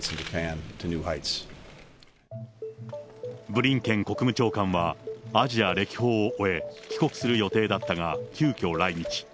ブリンケン国務長官は、アジア歴訪を終え、帰国する予定だったが、急きょ、来日。